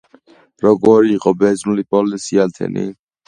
როგორი იყო ბერძნული პოლისი ათენი?